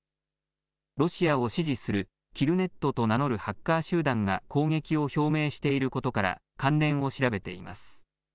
ロシアを支持するキルネットと名乗るハッカー集団が攻撃を表明していることから関連を調べています。